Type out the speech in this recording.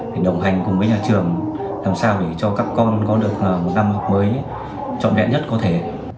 để đồng hành cùng với nhà trường làm sao để cho các con có được một năm học mới trọn vẹn nhất có thể